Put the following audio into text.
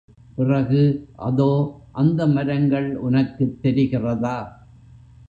பிறகு, அதோ, அந்த மரங்கள் உனக்குத் தெரிகிறதா?